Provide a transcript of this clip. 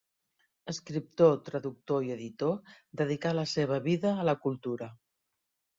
Escriptor, traductor i editor, dedicà la seva vida a la cultura.